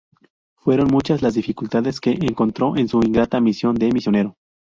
Fueron muchas las dificultades que encontró en su ingrata misión de limosnero.